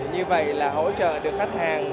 như vậy là hỗ trợ được khách hàng